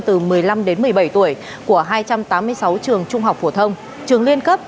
từ một mươi năm đến một mươi bảy tuổi của hai trăm tám mươi sáu trường trung học phổ thông trường liên cấp